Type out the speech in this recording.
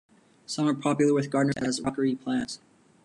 Some are popular with gardeners as rockery plants.